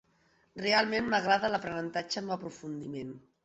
Realment m'agrada l'aprenentatge amb aprofundiment.